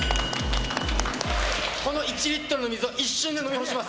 この１リットルの水を一瞬で飲み干します。